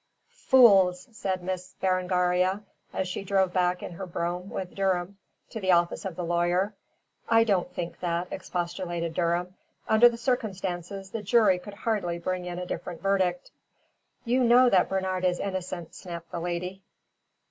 "Fools," said Miss Berengaria, as she drove back in her brougham with Durham to the office of the lawyer. "I don't think that," expostulated Durham. "Under the circumstances the jury could hardly bring in a different verdict." "You know that Bernard is innocent," snapped the lady.